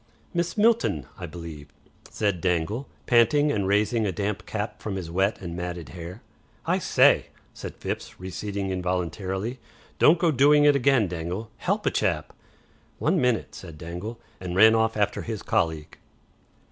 "Miss Milton, I believe," said Dangle, panting and raising a damp cap from his wet and matted hair. "I SAY," said Phipps, receding involuntarily. "Don't go doing it again, Dangle. HELP a chap." "One minute," said Dangle, and ran after his colleague.